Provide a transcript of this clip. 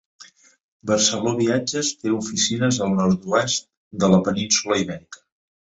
Barceló Viatges té oficines al nord-oest de la península Ibèrica.